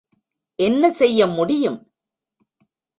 என்ன செய்ய முடியும்?